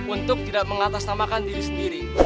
untuk tidak mengatasnamakan diri sendiri